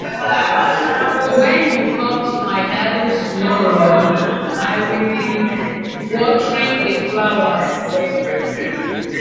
When you come to my garden tomorrow, I will be watering the flowers.